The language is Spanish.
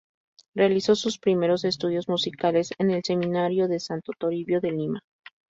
Realizó sus primeros estudios musicales en el Seminario de Santo Toribio de Lima.